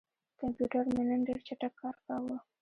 کمپیوټر مې نن ډېر چټک کار کاوه.